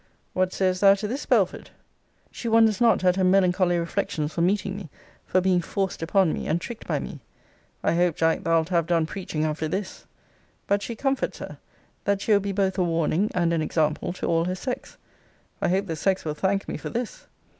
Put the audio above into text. What sayest thou to this, Belford? 'She wonders not at her melancholy reflections for meeting me, for being forced upon me, and tricked by me.' I hope, Jack, thou'lt have done preaching after this! But she comforts her, 'that she will be both a warning and an example to all her sex.' I hope the sex will thank me for this!